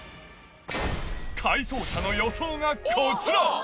回答者の予想がこちら。